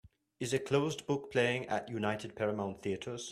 Is A Closed Book playing at United Paramount Theatres